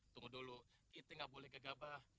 tunggu dulu kita nggak boleh kegabah